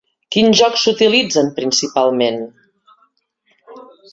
Quins jocs s'utilitzen principalment?